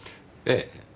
ええ。